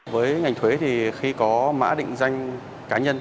với ngành thuế thì khi có mã định danh cá nhân